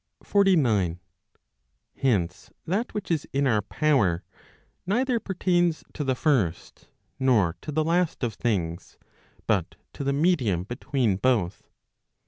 49. Hence that which is in our power, neither pertains to the first, nor to the last of things, but to the medium between both.